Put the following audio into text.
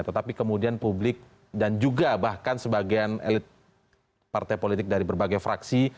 tetapi kemudian publik dan juga bahkan sebagian elit partai politik dari berbagai fraksi